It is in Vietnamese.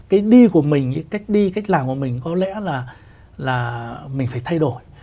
cái đi của mình cái cách đi cách làm của mình có lẽ là mình phải thay đổi